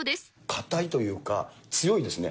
硬いというか、強いですね。